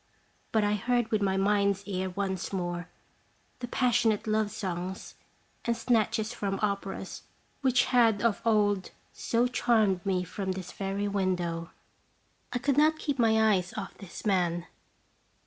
But I heard with my mind's ear once more the passionate love songs and snatches from operas which had of old so charmed me from this very window. I could not keep my eyes off this man.